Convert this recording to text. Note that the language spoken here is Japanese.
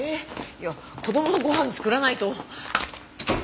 いや子供のご飯作らないと。